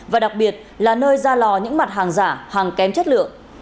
và đặc biệt là nơi ra lò những mặt hàng giả hàng kém chất lượng